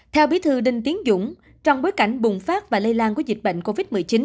theo bí thư đinh tiến dũng trong bối cảnh bùng phát và lây lan của dịch bệnh covid một mươi chín